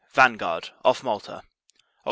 Vanguard, off Malta, Oct.